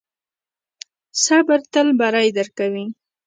صبر تل بری درکوي.